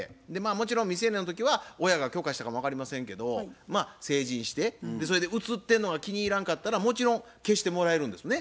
もちろん未成年の時は親が許可したかも分かりませんけどまあ成人してそれで写ってんのが気に入らんかったらもちろん消してもらえるんですね。